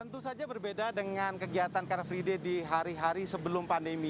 tentu saja berbeda dengan kegiatan car free day di hari hari sebelum pandemi